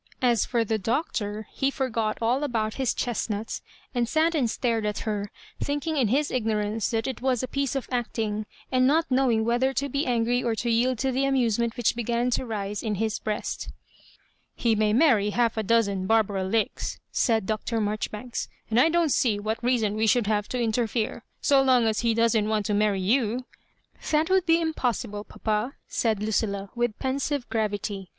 As for the Dootor,%e forgot all about his chestnuts, and sat and stared at her, thinking in his ignorance that it was a piece of acting, and not knowing whether to be angiy or to yield to the amusement which began to rise in his breast "He may marry half a dozen Barbara Lakes," said Dr. Maijoribanks, " and I don't see what reason we ehould have to interfere: so long as he doesn't want to marry you ^"" That would be impossible, papa, daid Lu cilla, with pensive gravity.